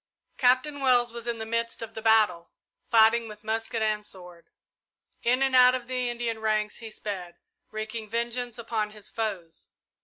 Captain Wells was in the midst of the battle, fighting with musket and sword. In and out of the Indian ranks he sped, wreaking vengeance upon his foes.